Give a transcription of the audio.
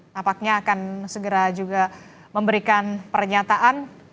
nampaknya akan segera juga memberikan pernyataan